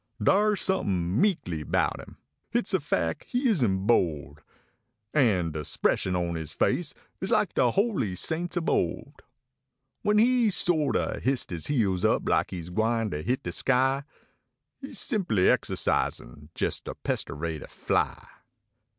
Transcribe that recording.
Bars sompin meekly bout im, hits de fac he isn t bold An de spression on is face is like de holy saints ob old ; When he sort o histe is heel up like s gwine ter hit de sky He s simply exahcisin jes ter pestervate a fly.